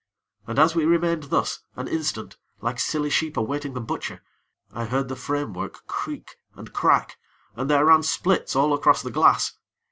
And as we remained thus, an instant, like silly sheep awaiting the butcher, I heard the framework creak and crack, and there ran splits all across the glass.